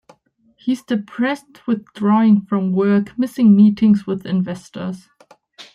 He's depressed, withdrawing from work, missing meetings with investors.